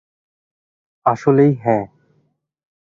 আসলেই, হ্যাঁ।